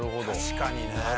確かにね！